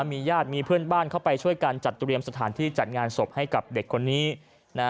มีญาติมีเพื่อนบ้านเข้าไปช่วยกันจัดเตรียมสถานที่จัดงานศพให้กับเด็กคนนี้นะ